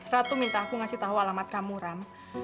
ratu minta aku ngasih tahu alamat kamu ram